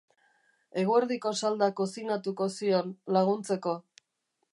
Eguerdiko salda kozinatuko zion, laguntzeko.